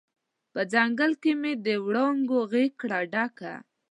په ځنګل کې مې د وړانګو غیږ کړه ډکه